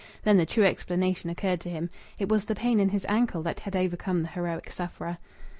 Then the true explanation occurred to him. It was the pain in his ankle that had overcome the heroic sufferer.